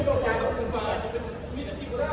นุ้นอำราท